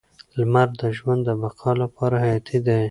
لمر د ژوند د بقا لپاره حیاتي دی.